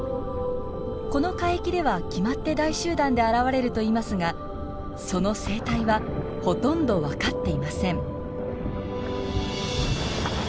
この海域では決まって大集団で現れるといいますがその生態はほとんど分かっていません。